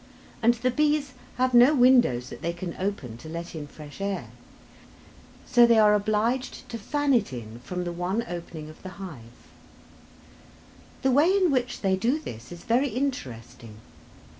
And the bees have no windows that they can open to let in fresh air, so they are obliged to fan it in from the one opening of the hive. The way in which they do this is very interesting.